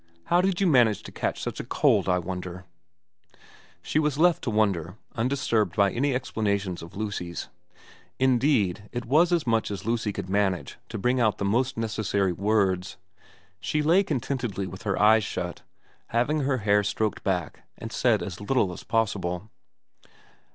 How did you manage to catch such a cold, I wonder I ' VERA 293 She was left to wonder, undisturbed by any explana tions of Lucy's. Indeed it was as much as Lucy could manage to bring out the most necessary words. She lay contentedly with her eyes shut, having her hair stroked back, and said as little as possible.